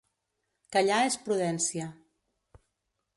Callar és prudència.